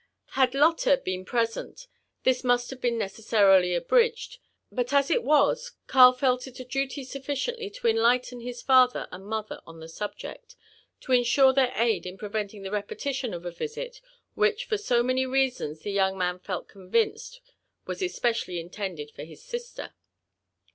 Had Lotte been present, this must have been necessarily abridged ; but as it was, Earl felt it a duty sufficiently to enlighten his father and mother on the subject, to ensure their aid in preventing the repetition of a visit which for many reasons the young man felt convinced was eqiecially intended for his sister.